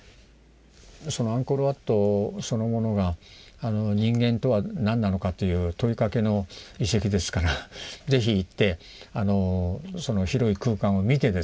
そのアンコール・ワットそのものが人間とは何なのかという問いかけの遺跡ですから是非行ってその広い空間を見てですね